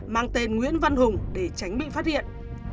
mang tên nguyễn văn hùng để tránh bị phát hiện